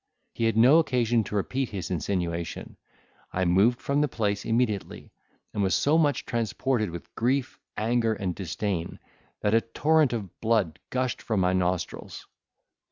He had no occasion to repeat his insinuation; I moved from the place immediately, and was so much transported with grief, anger, and disdain, that a torrent of blood gushed from my nostrils.